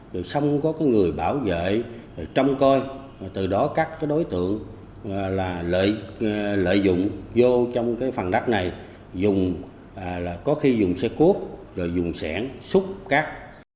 rồi xong có người bảo vệ trông coi từ đó các đối tượng lợi dụng vô trong phần đắt này có khi dùng xe cuốc dùng xẻng xúc cắt